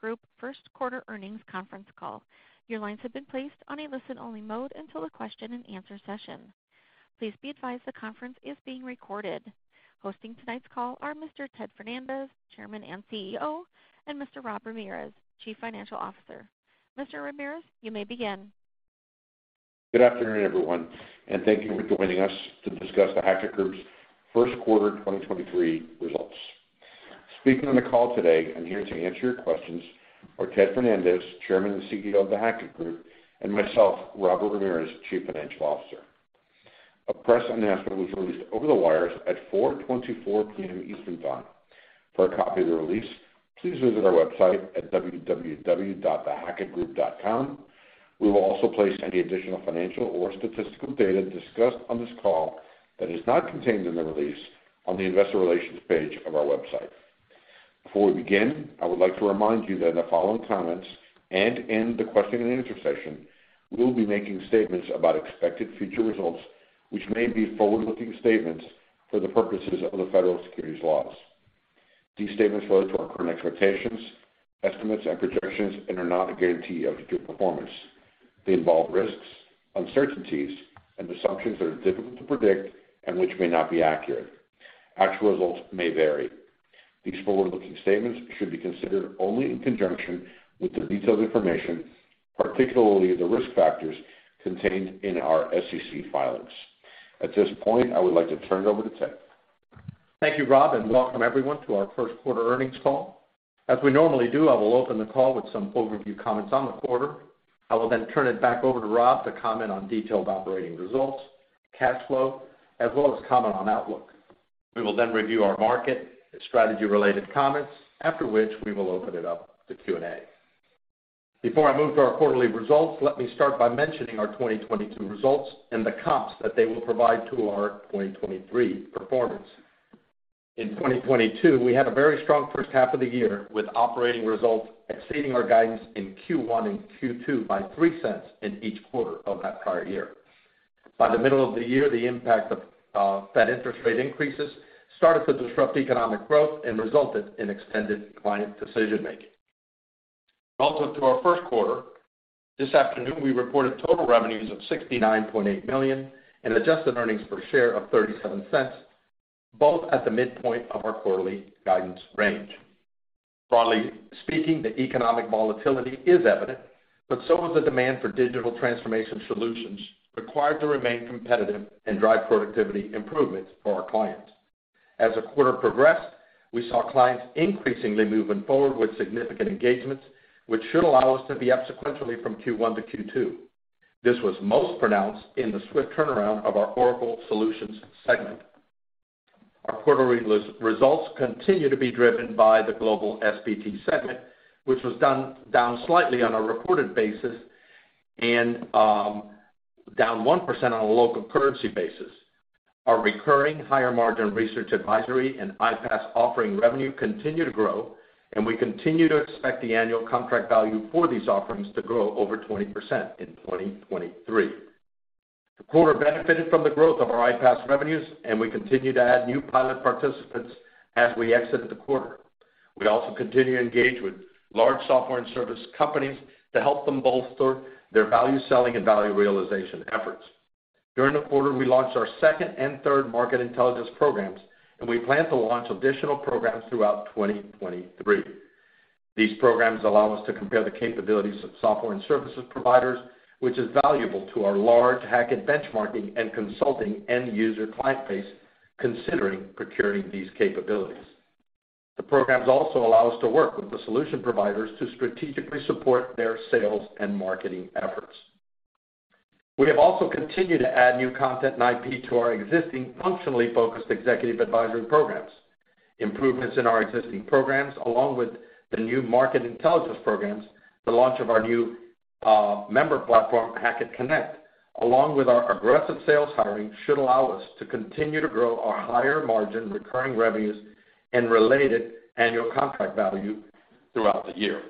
Group first quarter earnings conference call. Your lines have been placed on a listen-only mode until the question-and-answer session. Please be advised the conference is being recorded. Hosting tonight's call are Mr. Ted Fernandez, Chairman and CEO, and Mr. Rob Ramirez, Chief Financial Officer. Mr. Ramirez, you may begin. Good afternoon, everyone, thank you for joining us to discuss The Hackett Group's first quarter 2023 results. Speaking on the call today and here to answer your questions are Ted Fernandez, Chairman and CEO of The Hackett Group, and myself, Robert Ramirez, Chief Financial Officer. A press announcement was released over the wires at 4:24 P.M. Eastern Time. For a copy of the release, please visit our website at www.thehackettgroup.com. We will also place any additional financial or statistical data discussed on this call that is not contained in the release on the investor relations page of our website. Before we begin, I would like to remind you that in the following comments and in the question and answer session, we will be making statements about expected future results, which may be forward-looking statements for the purposes of the federal securities laws. These statements relate to our current expectations, estimates, and projections and are not a guarantee of future performance. They involve risks, uncertainties, and assumptions that are difficult to predict and which may not be accurate. Actual results may vary. These forward-looking statements should be considered only in conjunction with the detailed information, particularly the risk factors, contained in our SEC filings. At this point, I would like to turn it over to Ted. Thank you, Rob. Welcome everyone to our first quarter earnings call. As we normally do, I will open the call with some overview comments on the quarter. I will then turn it back over to Rob to comment on detailed operating results, cash flow, as well as comment on outlook. We will review our market and strategy-related comments, after which we will open it up to Q&A. Before I move to our quarterly results, let me start by mentioning our 2022 results and the comps that they will provide to our 2023 performance. In 2022, we had a very strong first half of the year, with operating results exceeding our guidance in Q1 and Q2 by $0.03 in each quarter of that prior year. By the middle of the year, the impact of Fed interest rate increases started to disrupt economic growth and resulted in extended client decision-making. Welcome to our first quarter. This afternoon, we reported total revenues of $69.8 million and adjusted earnings per share of $0.37, both at the midpoint of our quarterly guidance range. Broadly speaking, the economic volatility is evident, but so is the demand for digital transformation solutions required to remain competitive and drive productivity improvements for our clients. As the quarter progressed, we saw clients increasingly moving forward with significant engagements, which should allow us to be up sequentially from Q1 to Q2. This was most pronounced in the swift turnaround of our Oracle Solutions segment. Our quarterly results continue to be driven by the Global S&BT segment, which was down slightly on a reported basis and down 1% on a local currency basis. Our recurring higher-margin research advisory and Ipas offering revenue continue to grow. We continue to expect the annual contract value for these offerings to grow over 20% in 2023. The quarter benefited from the growth of our Ipas revenues. We continue to add new pilot participants as we exit the quarter. We also continue to engage with large software and service companies to help them bolster their value-selling and value realization efforts. During the quarter, we launched our second and third market intelligence programs. We plan to launch additional programs throughout 2023. These programs allow us to compare the capabilities of software and services providers, which is valuable to our large Hackett benchmarking and consulting end user client base considering procuring these capabilities. The programs also allow us to work with the solution providers to strategically support their sales and marketing efforts. We have also continued to add new content and IP to our existing functionally focused executive advisory programs. Improvements in our existing programs, along with the new market intelligence programs, the launch of our new member platform, Hackett Connect, along with our aggressive sales hiring, should allow us to continue to grow our higher-margin recurring revenues and related annual contract value throughout the year.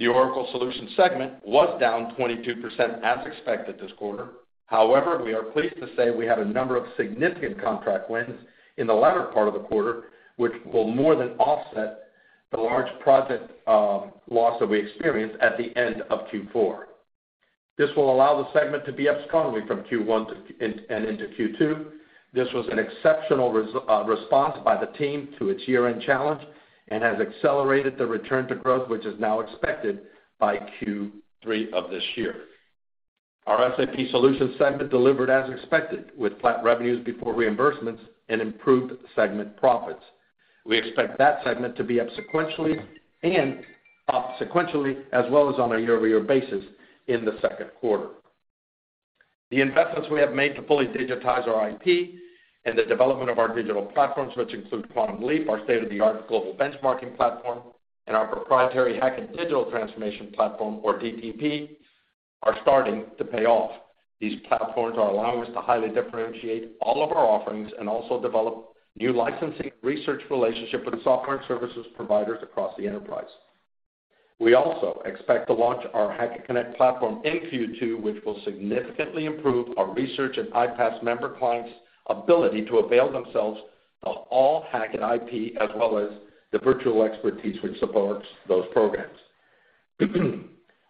The Oracle Solutions segment was down 22%, as expected this quarter. We are pleased to say we had a number of significant contract wins in the latter part of the quarter, which will more than offset the large project loss that we experienced at the end of Q4. This will allow the segment to be up strongly from Q1 into Q2. This was an exceptional response by the team to its year-end challenge and has accelerated the return to growth, which is now expected by Q3 of this year. Our SAP Solutions segment delivered as expected, with flat revenues before reimbursements and improved segment profits. We expect that segment to be up sequentially, as well as on a year-over-year basis in the second quarter. The investments we have made to fully digitize our IP and the development of our digital platforms, which include Quantum Leap, our state-of-the-art global benchmarking platform, and our proprietary Hackett Digital Transformation Platform, or DTP, are starting to pay off. These platforms are allowing us to highly differentiate all of our offerings and also develop new licensing research relationships with software and services providers across the enterprise. We also expect to launch our Hackett Connect platform in Q2, which will significantly improve our research and IPaaS member clients' ability to avail themselves of all Hackett IP as well as the virtual expertise which supports those programs.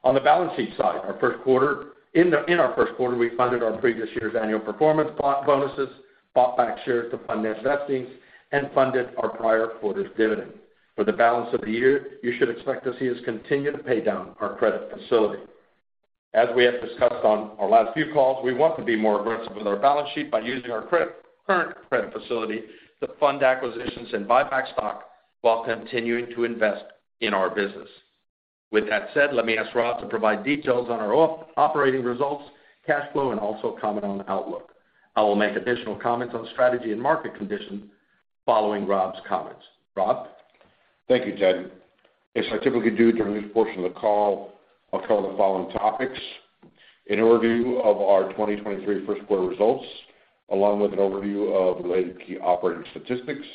On the balance sheet side, in our first quarter, we funded our previous year's annual performance bonuses, bought back shares to fund their vestings, and funded our prior quarter's dividend. For the balance of the year, you should expect to see us continue to pay down our credit facility. As we have discussed on our last few calls, we want to be more aggressive with our balance sheet by using our current credit facility to fund acquisitions and buy back stock while continuing to invest in our business. With that said, let me ask Rob to provide details on our operating results, cash flow, and also comment on outlook. I will make additional comments on strategy and market condition following Rob's comments. Rob? Thank you, Ted. As I typically do during this portion of the call, I'll cover the following topics: an overview of our 2023 first quarter results, along with an overview of related key operating statistics,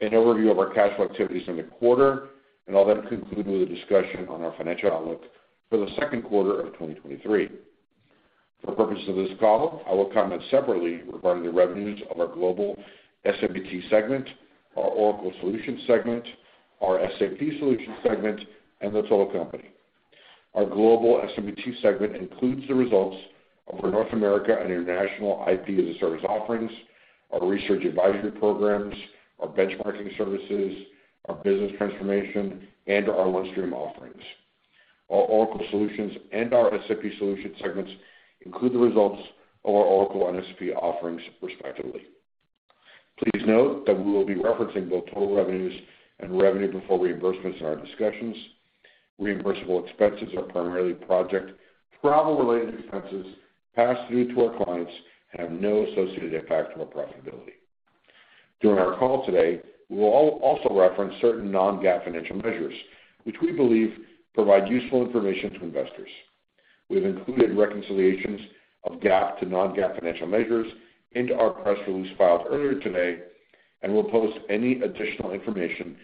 an overview of our cash flow activities in the quarter, and I'll then conclude with a discussion on our financial outlook for the second quarter of 2023. For purposes of this call, I will comment separately regarding the revenues of our Global SMBT segment, our Oracle Solutions segment, our SAP Solutions segment, and the total company. Our Global SMBT segment includes the results of our North America and international IP-as-a-service offerings, our research advisory programs, our benchmarking services, our business transformation, and our OneStream offerings. Our Oracle Solutions and our SAP Solutions segments include the results of our Oracle and SAP offerings, respectively. Please note that we will be referencing both total revenues and revenue before reimbursements in our discussions. Reimbursable expenses are primarily project travel-related expenses passed through to our clients and have no associated impact on our profitability. During our call today, we will also reference certain non-GAAP financial measures which we believe provide useful information to investors. We've included reconciliations of GAAP to non-GAAP financial measures into our press release filed earlier today, and we'll post any additional information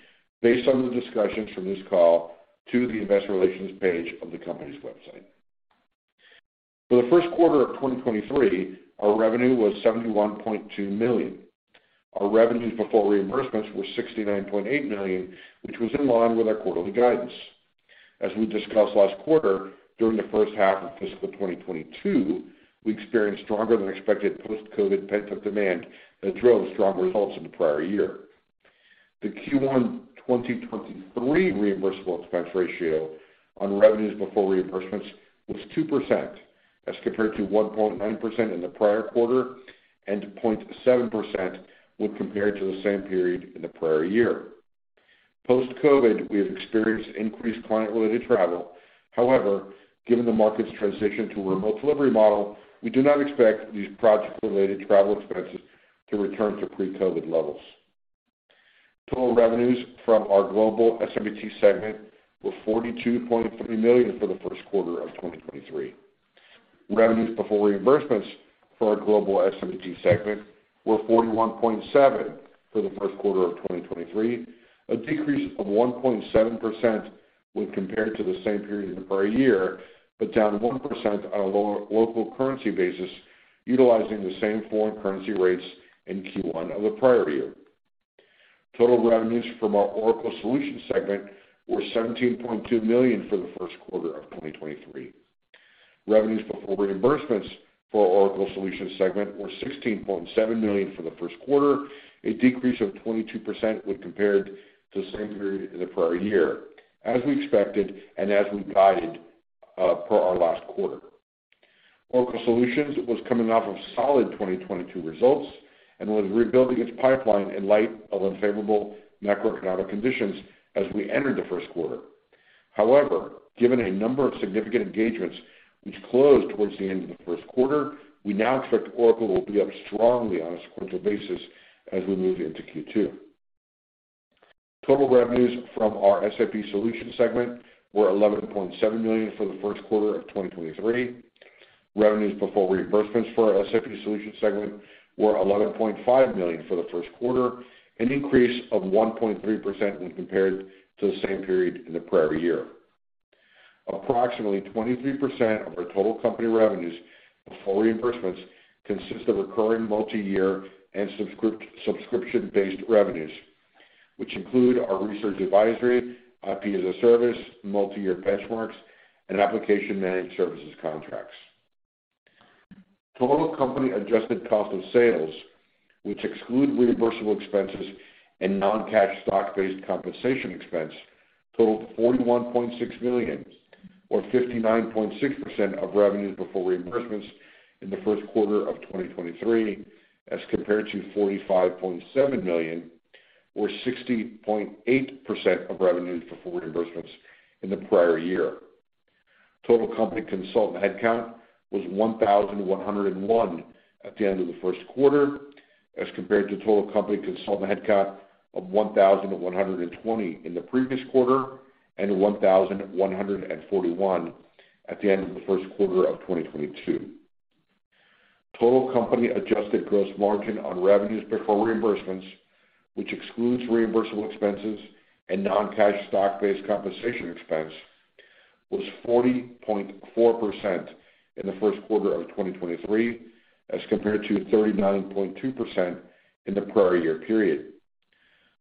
based on the discussions from this call to the investor relations page of the company's website. For the first quarter of 2023, our revenue was $71.2 million. Our revenues before reimbursements were $69.8 million, which was in line with our quarterly guidance. As we discussed last quarter, during the first half of fiscal 2022, we experienced stronger than expected post-COVID pent-up demand that drove strong results in the prior year. The Q1 2023 reimbursable expense ratio on revenues before reimbursements was 2% as compared to 1.9% in the prior quarter, and 0.7% when compared to the same period in the prior year. Post-COVID, we have experienced increased client-related travel. However, given the market's transition to a remote delivery model, we do not expect these project-related travel expenses to return to pre-COVID levels. Total revenues from our global SMBT segment were $42.3 million for the first quarter of 2023. Revenues before reimbursements for our Global S&BT segment were $41.7 million for the first quarter of 2023, a decrease of 1.7% when compared to the same period in the prior year, down 1% on a local currency basis, utilizing the same foreign currency rates in Q1 of the prior year. Total revenues from our Oracle Solutions segment were $17.2 million for the first quarter of 2023. Revenues before reimbursements for our Oracle Solutions segment were $16.7 million for the first quarter, a decrease of 22% when compared to the same period in the prior year, as we expected and as we guided per our last quarter. Oracle Solutions was coming off of solid 2022 results and was rebuilding its pipeline in light of unfavorable macroeconomic conditions as we entered the first quarter. Given a number of significant engagements which closed towards the end of the first quarter, we now expect Oracle will be up strongly on a sequential basis as we move into Q2. Total revenues from our SAP Solutions segment were $11.7 million for the first quarter of 2023. Revenues before reimbursements for our SAP Solutions segment were $11.5 million for the first quarter, an increase of 1.3% when compared to the same period in the prior year. Approximately 23% of our total company revenues before reimbursements consist of recurring multi-year and subscription-based revenues, which include our research advisory, IP-as-a-service, multi-year benchmarks, and application managed services contracts. Total company adjusted cost of sales, which exclude reimbursable expenses and non-cash stock-based compensation expense, totaled $41.6 million or 59.6% of revenues before reimbursements in the first quarter of 2023, as compared to $45.7 million or 60.8% of revenues before reimbursements in the prior year. Total company consultant headcount was 1,101 at the end of the first quarter, as compared to total company consultant headcount of 1,120 in the previous quarter and 1,141 at the end of the first quarter of 2022. Total company adjusted gross margin on revenues before reimbursements, which excludes reimbursable expenses and non-cash stock-based compensation expense, was 40.4% in the first quarter of 2023, as compared to 39.2% in the prior year period.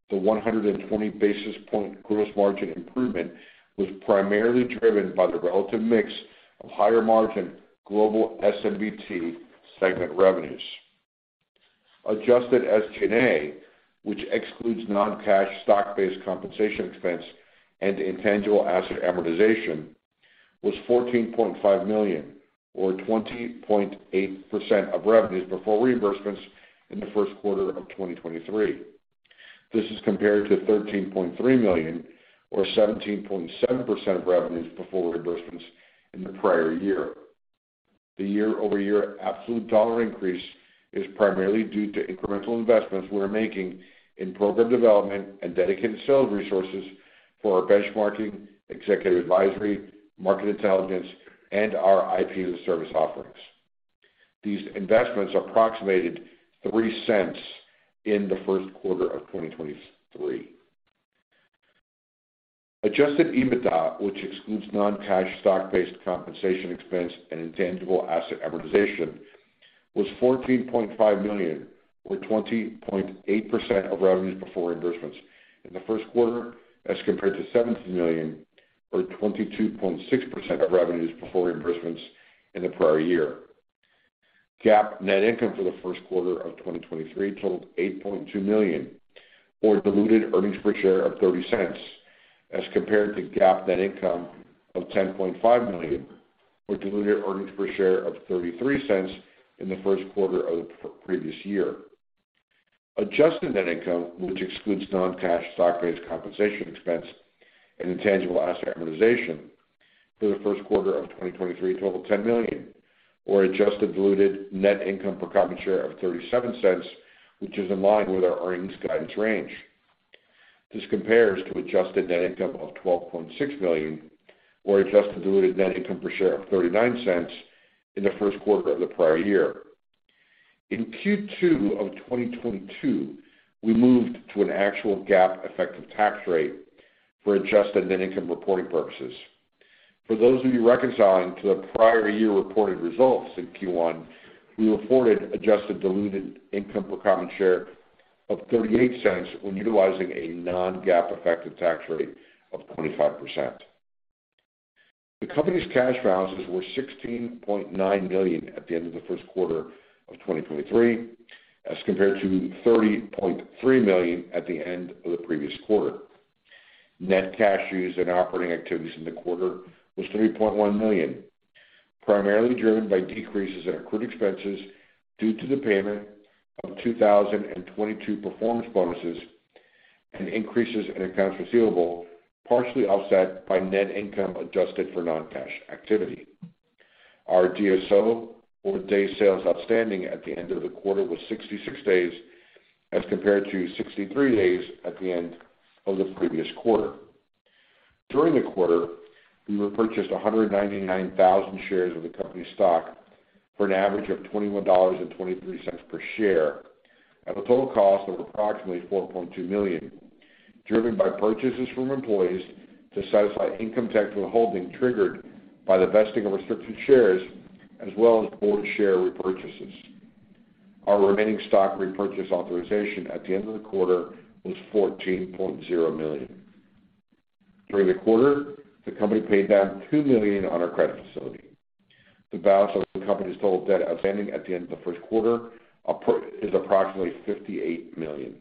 The 120 basis point gross margin improvement was primarily driven by the relative mix of higher margin Global S&BT segment revenues. Adjusted EBITDA, which excludes non-cash stock-based compensation expense and intangible asset amortization, was $14.5 million, or 20.8% of revenues before reimbursements in the first quarter of 2023. This is compared to $13.3 million, or 17.7% of revenues before reimbursements in the prior year. The year-over-year absolute dollar increase is primarily due to incremental investments we are making in program development and dedicated sales resources for our benchmarking, executive advisory, market intelligence, and our IP-as-a-service offerings. These investments approximated $0.03 in the first quarter of 2023. Adjusted EBITDA, which excludes non-cash stock-based compensation expense and intangible asset amortization, was $14.5 million or 20.8% of revenues before reimbursements in the first quarter as compared to $7 million or 22.6% of revenues before reimbursements in the prior year. GAAP net income for the first quarter of 2023 totaled $8.2 million or diluted earnings per share of $0.30 as compared to GAAP net income of $10.5 million or diluted earnings per share of $0.33 in the first quarter of the previous year. Adjusted net income, which excludes non-cash stock-based compensation expense and intangible asset amortization for the first quarter of 2023 totaled $10 million or adjusted diluted net income per common share of $0.37, which is in line with our earnings guidance range. This compares to adjusted net income of $12.6 million or adjusted diluted net income per share of $0.39 in the first quarter of the prior year. In Q2 of 2022, we moved to an actual GAAP effective tax rate for adjusted net income reporting purposes. For those of you reconciling to the prior year reported results in Q1, we reported adjusted diluted income per common share of $0.38 when utilizing a non-GAAP effective tax rate of 25%. The company's cash balances were $16.9 million at the end of the first quarter of 2023, as compared to $30.3 million at the end of the previous quarter. Net cash used in operating activities in the quarter was $3.1 million, primarily driven by decreases in accrued expenses due to the payment of 2022 performance bonuses and increases in accounts receivable, partially offset by net income adjusted for non-cash activity. Our DSO, or days sales outstanding, at the end of the quarter was 66 days as compared to 63 days at the end of the previous quarter. During the quarter, we repurchased 199,000 shares of the company's stock for an average of $21.23 per share at a total cost of approximately $4.2 million, driven by purchases from employees to satisfy income tax withholding triggered by the vesting of restricted shares as well as board share repurchases. Our remaining stock repurchase authorization at the end of the quarter was $14.0 million. During the quarter, the company paid down $2 million on our credit facility. The balance of the company's total debt outstanding at the end of the first quarter is approximately $58 million.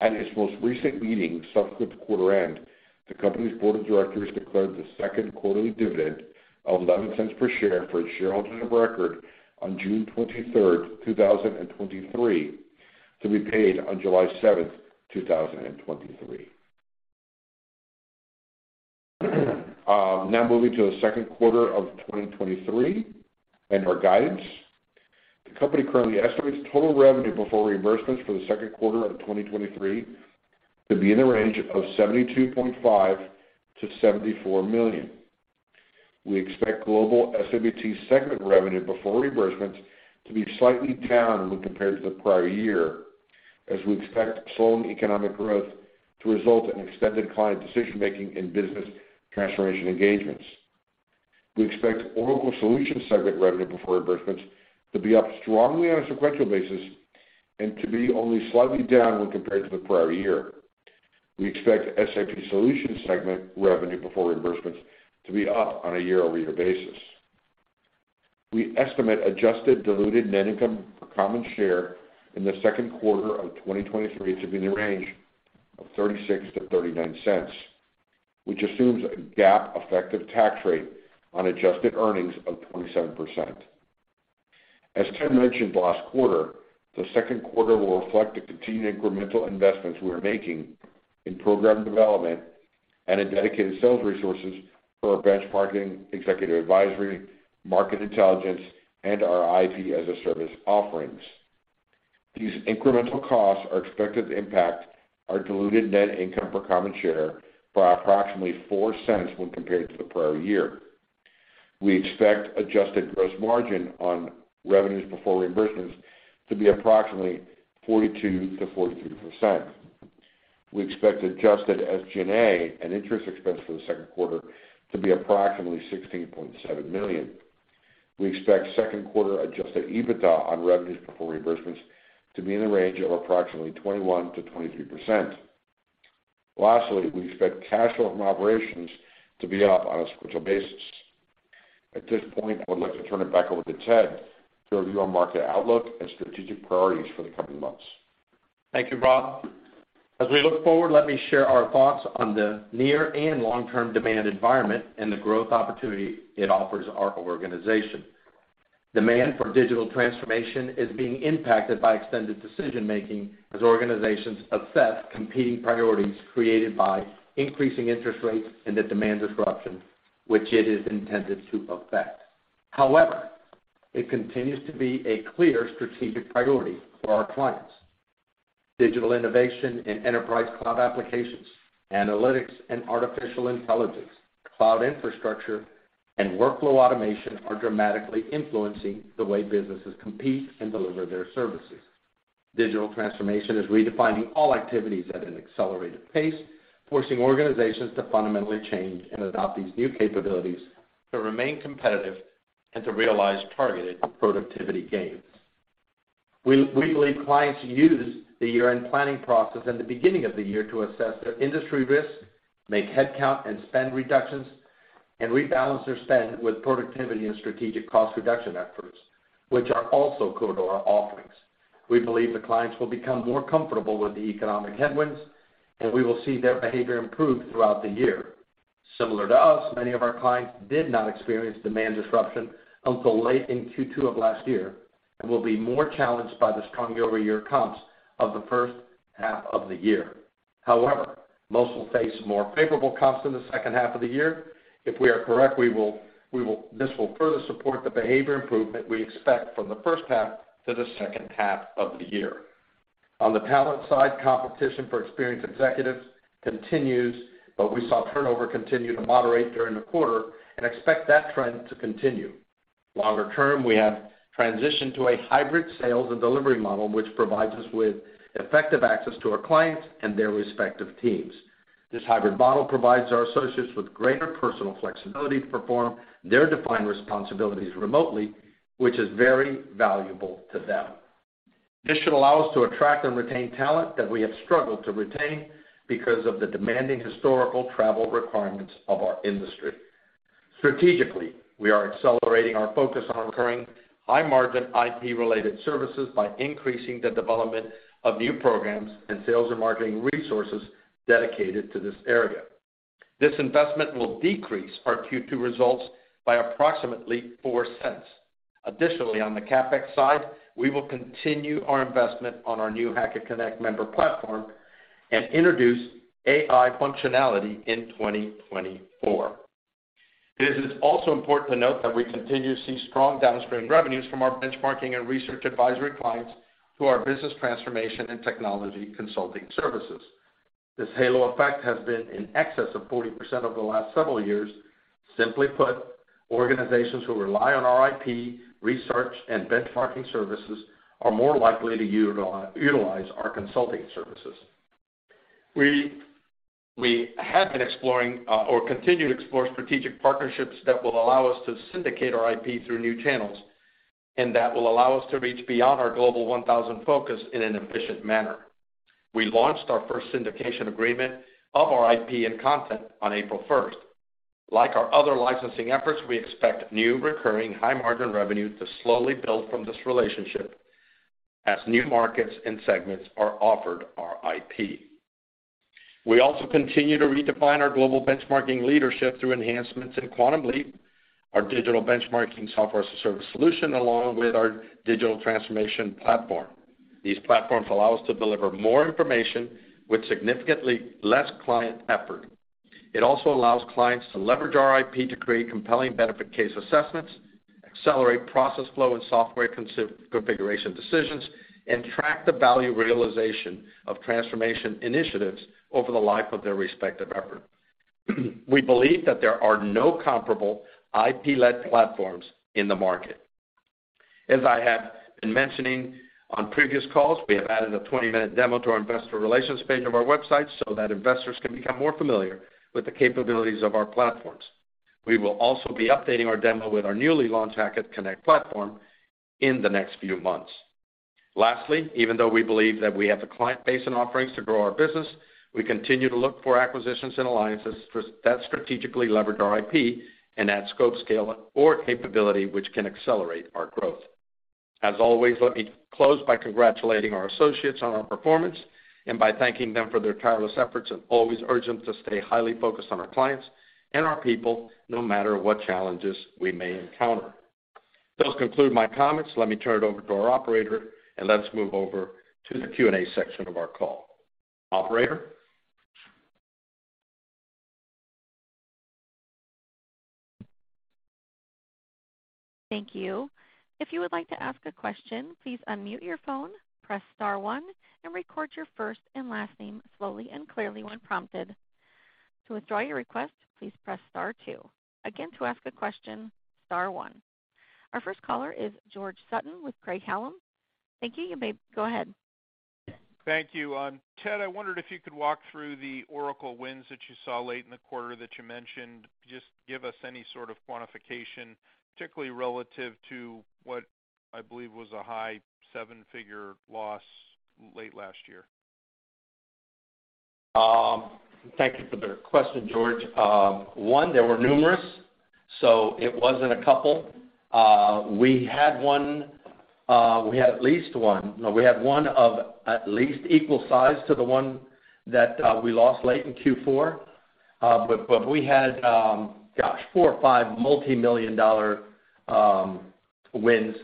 At its most recent meeting subsequent to quarter end, the company's board of directors declared the second quarterly dividend of $0.11 per share for its shareholders of record on June 23, 2023, to be paid on July 7, 2023. Now moving to the second quarter of 2023 and our guidance. The company currently estimates total revenue before reimbursements for the second quarter of 2023 to be in the range of $72.5 million-$74 million. We expect Global S&BT segment revenue before reimbursements to be slightly down when compared to the prior year as we expect slowing economic growth to result in extended client decision-making in business transformation engagements. We expect Oracle Solutions segment revenue before reimbursements to be up strongly on a sequential basis and to be only slightly down when compared to the prior year. We expect SAP Solutions segment revenue before reimbursements to be up on a year-over-year basis. We estimate adjusted diluted net income per common share in the second quarter of 2023 to be in the range of $0.36-$0.39, which assumes a GAAP effective tax rate on adjusted earnings of 27%. As Tim mentioned last quarter, the second quarter will reflect the continued incremental investments we are making in program development and in dedicated sales resources for our benchmarking, executive advisory, market intelligence, and our IP-as-a-service offerings. These incremental costs are expected to impact our diluted net income per common share by approximately $0.04 when compared to the prior year. We expect adjusted gross margin on revenues before reimbursements to be approximately 42%-43%. We expect adjusted SG&A and interest expense for the second quarter to be approximately $16.7 million. We expect second quarter adjusted EBITDA on revenues before reimbursements to be in the range of approximately 21%-23%. We expect cash flow from operations to be up on a sequential basis. At this point, I would like to turn it back over to Ted to review our market outlook and strategic priorities for the coming months. Thank you, Rob. As we look forward, let me share our thoughts on the near and long-term demand environment and the growth opportunity it offers our organization. Demand for digital transformation is being impacted by extended decision-making as organizations assess competing priorities created by increasing interest rates and the demand disruption which it is intended to affect. It continues to be a clear strategic priority for our clients. Digital innovation and enterprise cloud applications, analytics and artificial intelligence, cloud infrastructure, and workflow automation are dramatically influencing the way businesses compete and deliver their services. Digital transformation is redefining all activities at an accelerated pace, forcing organizations to fundamentally change and adopt these new capabilities to remain competitive and to realize targeted productivity gains. We believe clients use the year-end planning process in the beginning of the year to assess their industry risks, make headcount and spend reductions, and rebalance their spend with productivity and strategic cost reduction efforts, which are also core to our offerings. We believe the clients will become more comfortable with the economic headwinds, and we will see their behavior improve throughout the year. Similar to us, many of our clients did not experience demand disruption until late in Q2 of last year and will be more challenged by the strong year-over-year comps of the first half of the year. However, most will face more favorable comps in the second half of the year. If we are correct, this will further support the behavior improvement we expect from the first half to the second half of the year. On the talent side, competition for experienced executives continues. We saw turnover continue to moderate during the quarter and expect that trend to continue. Longer term, we have transitioned to a hybrid sales and delivery model, which provides us with effective access to our clients and their respective teams. This hybrid model provides our associates with greater personal flexibility to perform their defined responsibilities remotely, which is very valuable to them. This should allow us to attract and retain talent that we have struggled to retain because of the demanding historical travel requirements of our industry. Strategically, we are accelerating our focus on recurring high-margin IP-related services by increasing the development of new programs and sales and marketing resources dedicated to this area. This investment will decrease our Q2 results by approximately $0.04. Additionally, on the CapEx side, we will continue our investment on our new Hackett Connect member platform and introduce AI functionality in 2024. It is also important to note that we continue to see strong downstream revenues from our benchmarking and research advisory clients to our business transformation and technology consulting services. This halo effect has been in excess of 40% over the last several years. Simply put, organizations who rely on our IP, research, and benchmarking services are more likely to utilize our consulting services. We have been exploring or continue to explore strategic partnerships that will allow us to syndicate our IP through new channels and that will allow us to reach beyond our Global 1,000 focus in an efficient manner. We launched our first syndication agreement of our IP and content on April 1st. Like our other licensing efforts, we expect new recurring high-margin revenue to slowly build from this relationship as new markets and segments are offered our IP. We also continue to redefine our global benchmarking leadership through enhancements in Quantum Leap, our digital benchmarking software as a service solution, along with our Digital Transformation Platform. These platforms allow us to deliver more information with significantly less client effort. It also allows clients to leverage our IP to create compelling benefit case assessments, accelerate process flow and software configuration decisions, and track the value realization of transformation initiatives over the life of their respective effort. We believe that there are no comparable IP-led platforms in the market. As I have been mentioning on previous calls, we have added a 20-minute demo to our investor relations page of our website so that investors can become more familiar with the capabilities of our platforms. We will also be updating our demo with our newly launched Hackett Connect platform in the next few months. Lastly, even though we believe that we have the client base and offerings to grow our business, we continue to look for acquisitions and alliances that strategically leverage our IP and add scope, scale, or capability which can accelerate our growth. As always, let me close by congratulating our associates on our performance and by thanking them for their tireless efforts, and always urge them to stay highly focused on our clients and our people, no matter what challenges we may encounter. Those conclude my comments. Let me turn it over to our operator and let's move over to the Q&A section of our call. Operator? Thank you. If you would like to ask a question, please unmute your phone, press star one, and record your first and last name slowly and clearly when prompted. To withdraw your request, please press star two. Again, to ask a question, star one. Our first caller is George Sutton with Craig-Hallum. Thank you. You may go ahead. Thank you. Ted, I wondered if you could walk through the Oracle wins that you saw late in the quarter that you mentioned. Just give us any sort of quantification, particularly relative to what I believe was a high seven-figure loss late last year. Thank you for the question, George. One, there were numerous, so it wasn't a couple. We had one, we had at least one. No, we had one of at least equal size to the one that we lost late in Q4. We had, gosh, four or five multi-million dollar wins,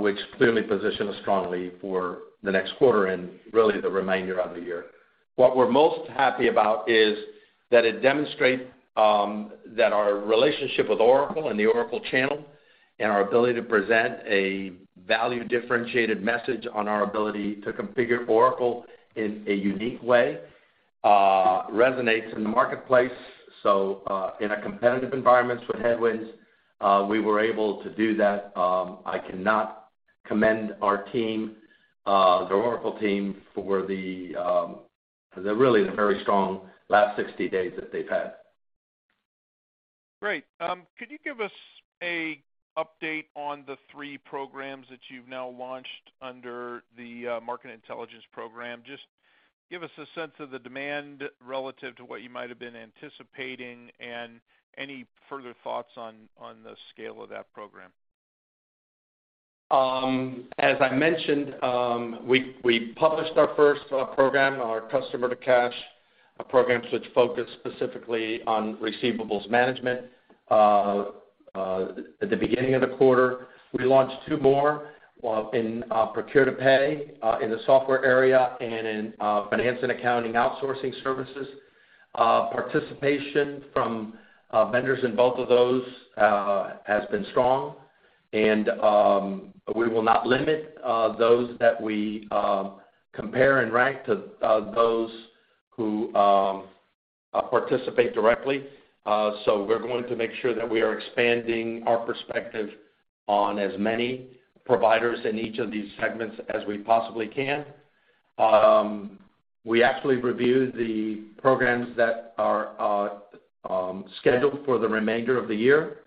which clearly positioned us strongly for the next quarter and really the remainder of the year. What we're most happy about is that it demonstrate that our relationship with Oracle and the Oracle channel and our ability to present a value differentiated message on our ability to configure Oracle in a unique way, resonates in the marketplace. In a competitive environment with headwinds, we were able to do that. I cannot commend our team, the Oracle team for the really the very strong last 60 days that they've had. Great. Could you give us an update on the 3 programs that you've now launched under the market intelligence program? Just give us a sense of the demand relative to what you might have been anticipating and any further thoughts on the scale of that program. As I mentioned, we published our first program, our customer-to-cash programs which focus specifically on receivables management. At the beginning of the quarter, we launched two more in procure-to-pay in the software area and in finance and accounting outsourcing services. Participation from vendors in both of those has been strong, and we will not limit those that we compare and rank to those who participate directly. We're going to make sure that we are expanding our perspective on as many providers in each of these segments as we possibly can. We actually reviewed the programs that are scheduled for the remainder of the year.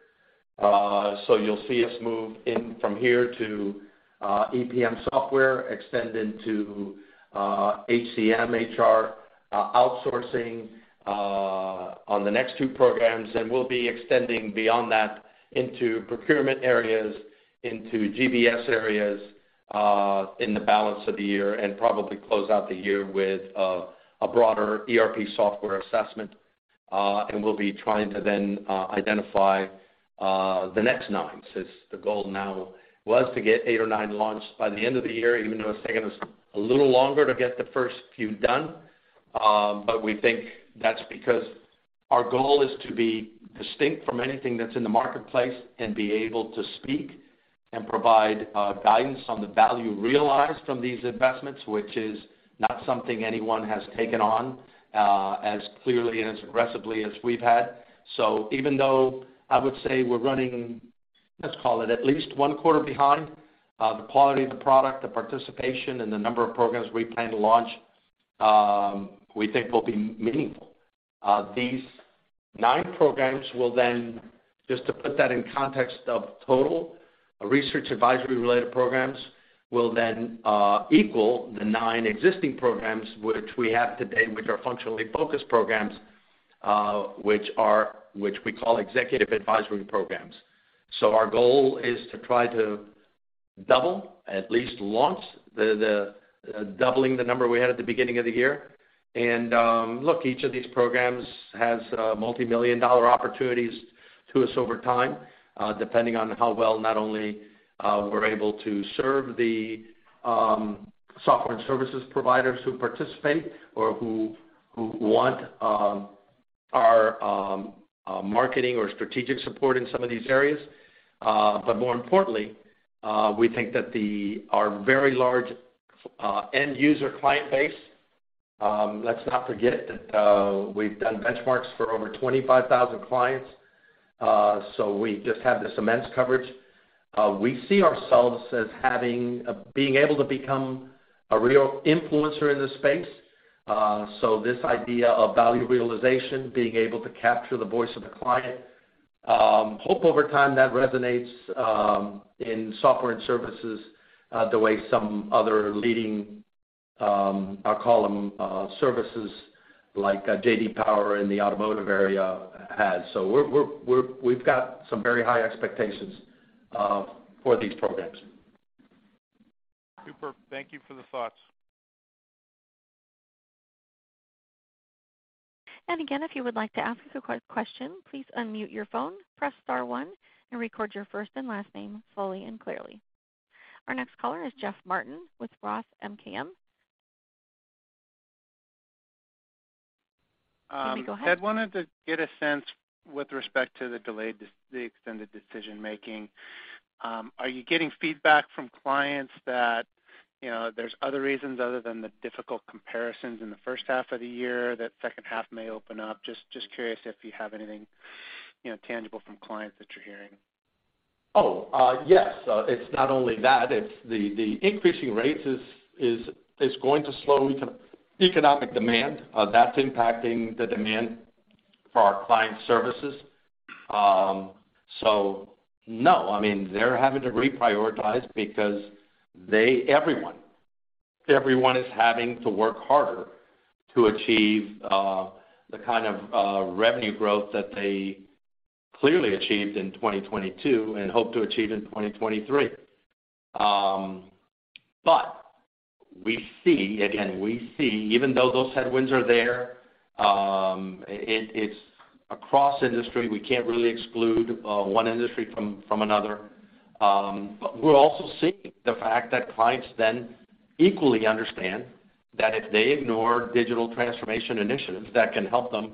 So you'll see us move in from here to EPM software, extend into HCM, HR, outsourcing on the next two programs. We'll be extending beyond that into procurement areas, into GBS areas in the balance of the year and probably close out the year with a broader ERP software assessment. We'll be trying to then identify the next 9, since the goal now was to get 8 or 9 launched by the end of the year, even though it's taking us a little longer to get the first few done. We think that's because our goal is to be distinct from anything that's in the marketplace and be able to speak and provide guidance on the value realized from these investments, which is not something anyone has taken on as clearly and as aggressively as we've had. Even though I would say we're running, let's call it at least one quarter behind, the quality of the product, the participation and the number of programs we plan to launch, we think will be meaningful. These nine programs will then, just to put that in context of total research advisory-related programs, will then equal the nine existing programs which we have today, which are functionally focused programs, which are, which we call executive advisory programs. Our goal is to try to double, at least launch the doubling the number we had at the beginning of the year. Look, each of these programs has multimillion-dollar opportunities to us over time, depending on how well not only we're able to serve the software and services providers who participate or who want our marketing or strategic support in some of these areas. More importantly, we think that our very large end user client base, let's not forget that we've done benchmarks for over 25,000 clients, so we just have this immense coverage. We see ourselves as having being able to become a real influencer in this space. This idea of value realization, being able to capture the voice of the client, hope over time, that resonates in software and services, the way some other leading, I'll call them, services like J.D. Power in the automotive area has. We've got some very high expectations for these programs. Super. Thank you for the thoughts. Again, if you would like to ask a question, please unmute your phone, press star one and record your first and last name slowly and clearly. Our next caller is Jeff Martin with Roth MKM. Ted, wanted to get a sense with respect to the extended decision-making. Are you getting feedback from clients that, you know, there's other reasons other than the difficult comparisons in the first half of the year that second half may open up? Just curious if you have anything, you know, tangible from clients that you're hearing. Yes. It's not only that. It's the increasing rates is going to slow economic demand. That's impacting the demand for our client services. No, I mean, they're having to reprioritize because everyone is having to work harder to achieve the kind of revenue growth that they clearly achieved in 2022 and hope to achieve in 2023. We see, again, we see even though those headwinds are there, it's across industry, we can't really exclude one industry from another. We're also seeing the fact that clients then equally understand that if they ignore digital transformation initiatives that can help them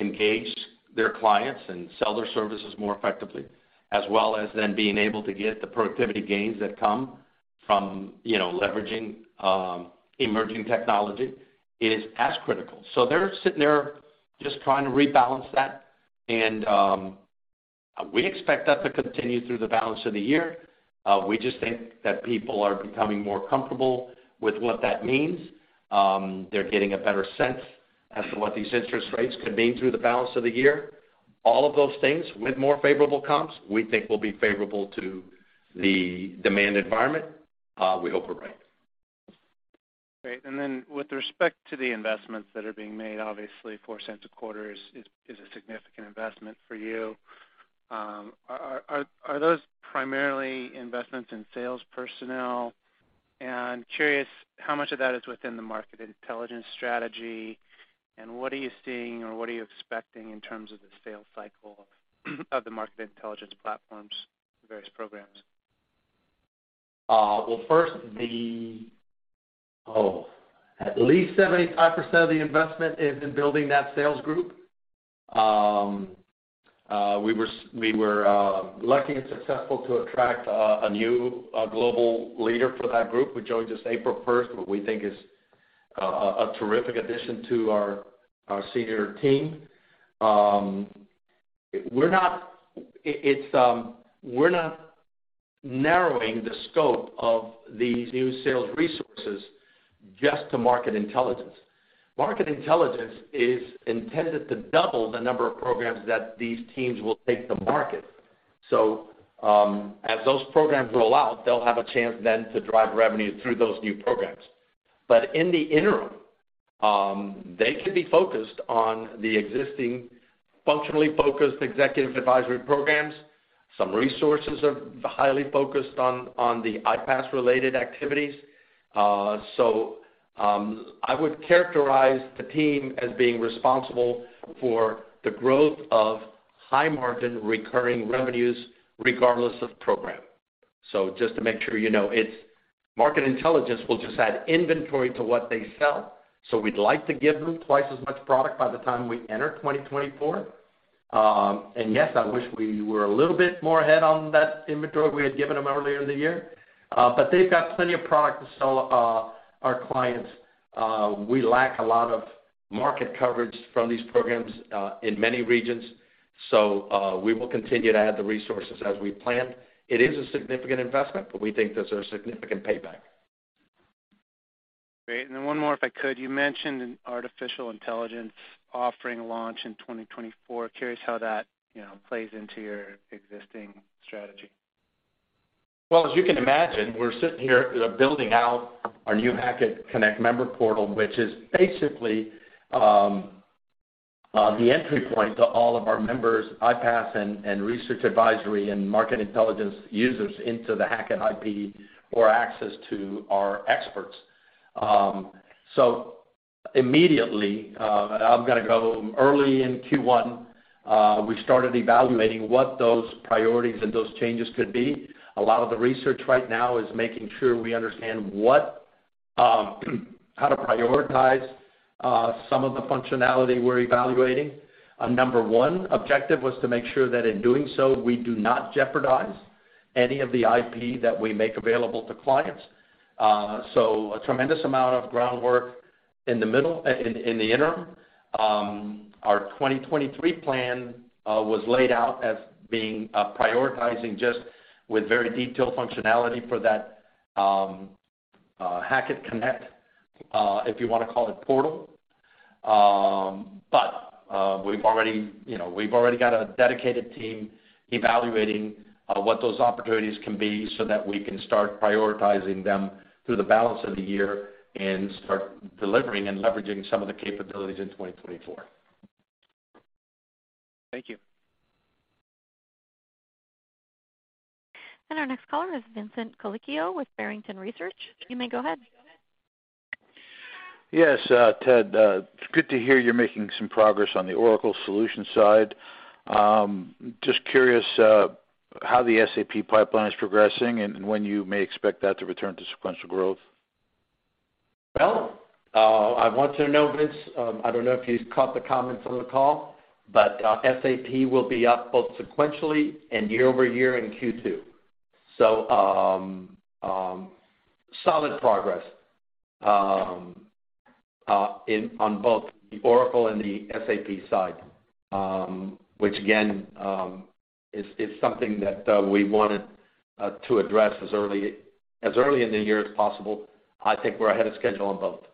engage their clients and sell their services more effectively, as well as then being able to get the productivity gains that come from, you know, leveraging emerging technology, it is as critical. They're sitting there just trying to rebalance that, we expect that to continue through the balance of the year. We just think that people are becoming more comfortable with what that means. They're getting a better sense as to what these interest rates could mean through the balance of the year. All of those things with more favorable comps, we think will be favorable to the demand environment, we hope are right. Great. With respect to the investments that are being made, obviously $0.04 a quarter is a significant investment for you. Are those primarily investments in sales personnel? I'm curious how much of that is within the market intelligence strategy, and what are you seeing or what are you expecting in terms of the sales cycle of the market intelligence platforms, various programs? Well, first, at least 75% of the investment is in building that sales group. We were lucky and successful to attract a new global leader for that group, who joined us April 1st, who we think is a terrific addition to our senior team. We're not narrowing the scope of these new sales resources just to market intelligence. Market intelligence is intended to double the number of programs that these teams will take to market. As those programs roll out, they'll have a chance then to drive revenue through those new programs. In the interim, they can be focused on the existing functionally focused executive advisory programs. Some resources are highly focused on the IPAS-related activities. I would characterize the team as being responsible for the growth of high-margin recurring revenues regardless of program. Just to make sure, you know, it's market intelligence, we'll just add inventory to what they sell. We'd like to give them twice as much product by the time we enter 2024. Yes, I wish we were a little bit more ahead on that inventory we had given them earlier in the year. They've got plenty of product to sell our clients. We lack a lot of market coverage from these programs in many regions, we will continue to add the resources as we plan. It is a significant investment, but we think there's a significant payback. Great. One more, if I could. You mentioned an artificial intelligence offering launch in 2024. Curious how that, you know, plays into your existing strategy. Well, as you can imagine, we're sitting here building out our new Hackett Connect member portal, which is basically the entry point to all of our members, Ipas and research advisory and market intelligence users into the Hackett IP or access to our experts. Immediately, we started evaluating what those priorities and those changes could be. A lot of the research right now is making sure we understand what how to prioritize some of the functionality we're evaluating. Our number one objective was to make sure that in doing so, we do not jeopardize any of the IP that we make available to clients. A tremendous amount of groundwork in the interim. Our 2023 plan was laid out as being prioritizing just with very detailed functionality for that Hackett Connect, if you wanna call it portal. We've already, you know, we've already got a dedicated team evaluating what those opportunities can be so that we can start prioritizing them through the balance of the year and start delivering and leveraging some of the capabilities in 2024. Thank you. Our next caller is Vincent Colicchio with Barrington Research. You may go ahead. Yes, Ted, it's good to hear you're making some progress on the Oracle solution side. Just curious how the SAP pipeline is progressing and when you may expect that to return to sequential growth. I want you to know, Vince, I don't know if you caught the comments on the call, SAP will be up both sequentially and year-over-year in Q2. Solid progress on both the Oracle and the SAP side, again, is something that we wanted to address as early in the year as possible. I think we're ahead of schedule on both.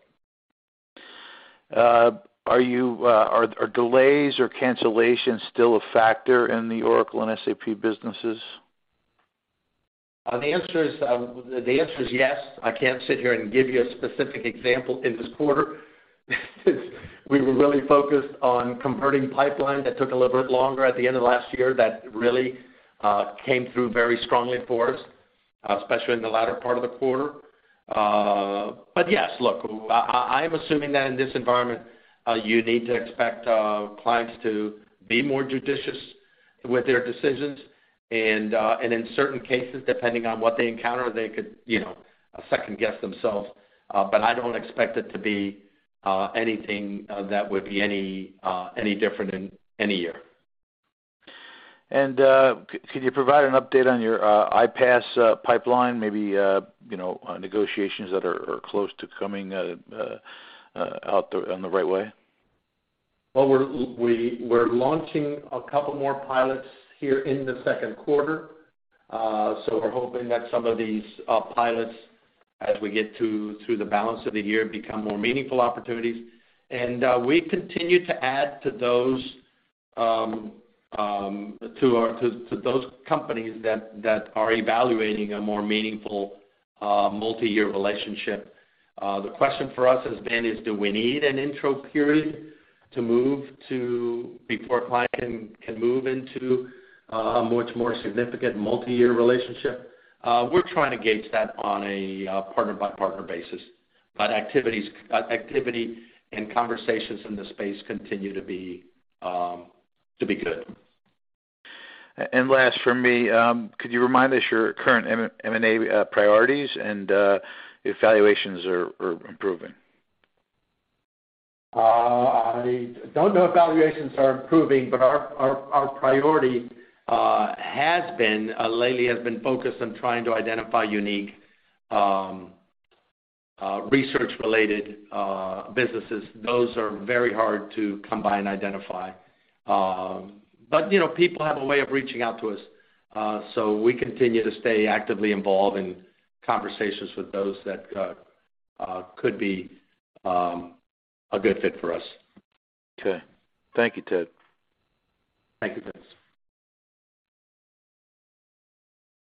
Are you, are delays or cancellations still a factor in the Oracle and SAP businesses? The answer is yes. I can't sit here and give you a specific example in this quarter. We were really focused on converting pipeline that took a little bit longer at the end of last year that really came through very strongly for us, especially in the latter part of the quarter. Yes, look, I'm assuming that in this environment, you need to expect clients to be more judicious with their decisions. In certain cases, depending on what they encounter, they could, you know, second-guess themselves. I don't expect it to be anything that would be any different in any year. Could you provide an update on your iPass pipeline, maybe, you know, negotiations that are close to coming out the, on the right way? Well, we're launching a couple more pilots here in the second quarter. We're hoping that some of these pilots, as we get through the balance of the year, become more meaningful opportunities. We continue to add to those to those companies that are evaluating a more meaningful multi-year relationship. The question for us has been is do we need an intro period before a client can move into a much more significant multi-year relationship? We're trying to gauge that on a partner-by-partner basis. Activities, activity and conversations in the space continue to be good. Last for me, could you remind us your current M&A priorities and if valuations are improving? I don't know if valuations are improving, but our priority has been lately has been focused on trying to identify unique research related businesses. Those are very hard to come by and identify. You know, people have a way of reaching out to us, so we continue to stay actively involved in conversations with those that could be a good fit for us. Okay. Thank you, Ted. Thank you,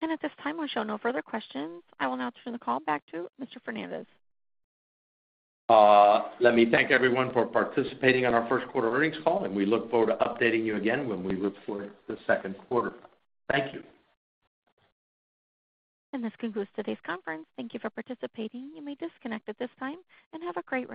Vince. At this time, we show no further questions. I will now turn the call back to Mr. Fernandez. Let me thank everyone for participating on our first quarter earnings call. We look forward to updating you again when we report the second quarter. Thank you. This concludes today's conference. Thank you for participating. You may disconnect at this time, and have a great rest of your day.